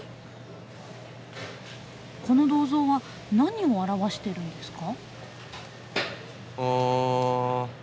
この銅像は何を表してるんですか？